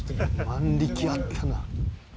「万力あったな」